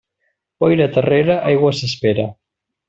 Boira terrera, aigua s'espera.